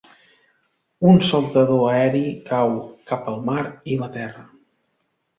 Un saltador aeri cau cap al mar i la terra.